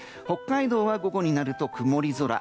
北海道は午後になると曇り空。